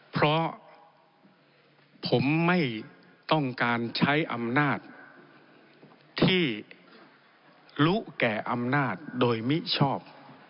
เพราะผมไม่ต้องการใช้อำนาจที่รู้แก่อำนาจโดยมิชอบ